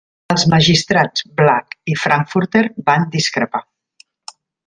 Els magistrats Black i Frankfurter van discrepar.